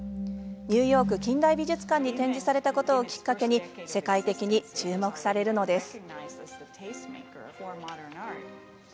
ニューヨーク近代美術館に展示されたことをきっかけに世界的に注目されるのです。